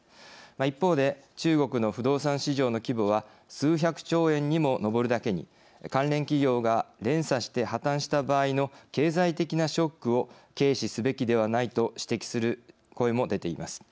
一方で中国の不動産市場の規模は数百兆円にも上るだけに関連企業が連鎖して破綻した場合の経済的なショックを軽視すべきではないと指摘する声も出ています。